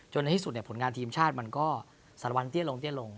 จนที่สุดผลงานทีมชาติมันก็สระวันเตี้ยลงลง